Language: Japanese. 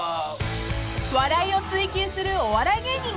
［笑いを追求するお笑い芸人］